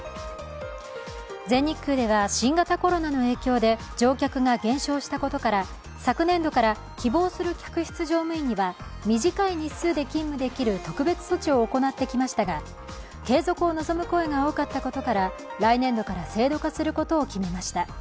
全日空では新型コロナの影響で乗客が減少したことから昨年度から希望する客室乗務員には短い日数で勤務できる特別措置を行ってきましたが、継続を望む声が多かったことから来年度から制度化することを決めました。